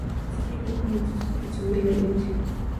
Se aplica como sustitución a la herencia.